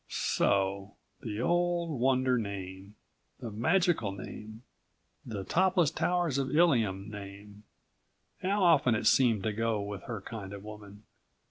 So ... the old wonder name, the magical name, the Topless Towers of Illium name. How often it seemed to go with her kind of woman.